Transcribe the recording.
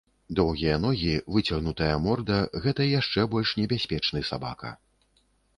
Доўгія ногі, выцягнутая морда, гэта яшчэ больш небяспечны сабака.